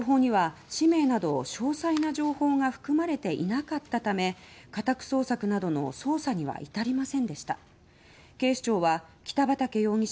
情報には、氏名など詳細な情報が含まれていなかったため家宅捜索などの捜査には至りませんでした。